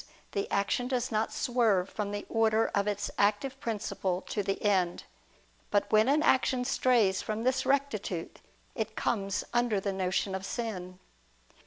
the action does not swerve from the order of its active principle to the end. But when an action strays from this rectitude, it comes under the notion of sin.